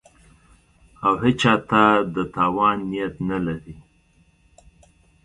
او هېچا ته د تاوان نیت نه لري